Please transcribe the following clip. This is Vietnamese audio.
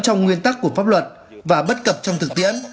trong nguyên tắc của pháp luật và bất cập trong thực tiễn